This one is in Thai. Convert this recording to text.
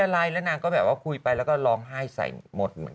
อะไรแล้วนางก็แบบว่าคุยไปแล้วก็ร้องไห้ใส่หมดเหมือน